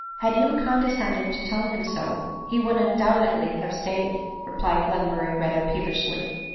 " Had you condescended to tell him so, he would un doubtedly have stayed," replied Glenmurray rather peevishly.